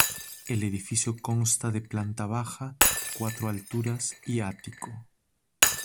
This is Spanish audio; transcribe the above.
El edificio consta de planta baja, cuatro alturas y ático.